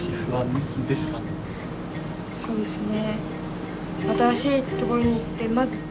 そうですね。